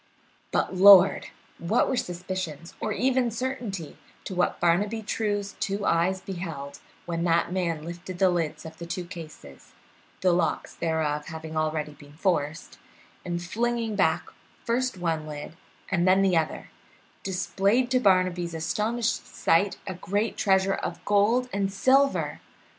But, Lord! what were suspicions or even certainty to what Barnaby True's two eyes beheld when that man lifted the lids of the two cases the locks thereof having already been forced and, flinging back first one lid and then the other, displayed to Barnaby's astonished sight a great treasure of gold and silver!